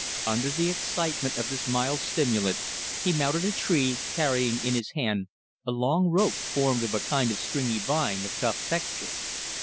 Under the excitement of this mild stimulant he mounted a tree, carrying in his hand a long rope formed of a kind of stringy vine of tough texture.